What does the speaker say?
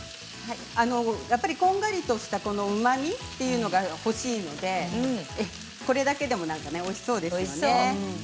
やっぱりこんがりとしたうまみというのが欲しいのでこれだけでもおいしそうですよね。